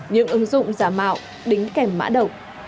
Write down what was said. những ứng dụng giải bóng đá rụ rỗ người dân tham gia cá độ